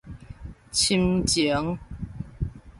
親情